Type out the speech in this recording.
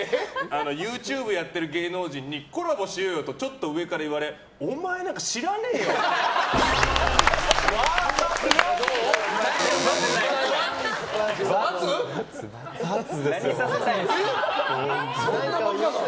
ＹｏｕＴｕｂｅやってる芸能人にコラボしようよとちょっと上から言われお前なんか知らねーよ！と思うっぽい。×ですよ。